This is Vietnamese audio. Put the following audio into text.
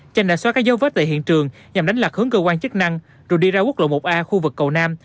trên đã xóa các dấu vết tại hiện trường nhằm đánh lạc hướng cơ quan chức năng rồi đi ra quốc lộ một a khu vực cầu nam